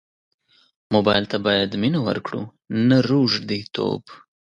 موبایل ته باید مینه ورکړو نه روږديتوب.